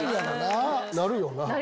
なるよな。